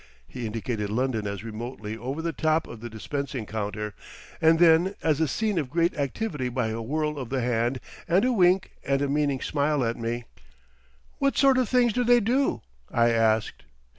He indicated London as remotely over the top of the dispensing counter, and then as a scene of great activity by a whirl of the hand and a wink and a meaning smile at me. "What sort of things do they do?" I asked.